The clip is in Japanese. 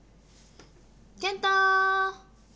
健太？